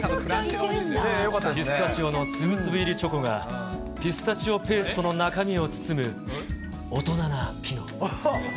ピスタチオの粒々入りチョコがピスタチオペーストの中身を包む大人なピノ。